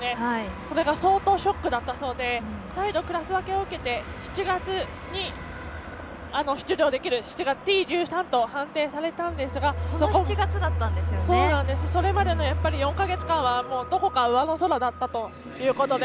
それが相当ショックだったそうで再度、クラス分けを受けて７月に出場できるＴ１３と判定されたんですがそれまでの４か月間はどこか上の空だったということで。